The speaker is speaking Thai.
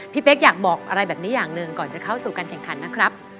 เป๊กอยากบอกอะไรแบบนี้อย่างหนึ่งก่อนจะเข้าสู่การแข่งขันนะครับ